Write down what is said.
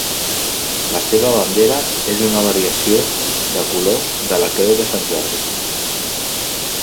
La seva bandera és una variació de colors de la creu de Sant Jordi.